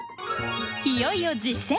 いよいよ実践！